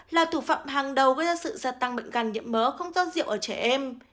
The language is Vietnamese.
là thủ phạm hàng đầu gây ra sự gia tăng bệnh gan nhiễm mớ không don rượu ở trẻ em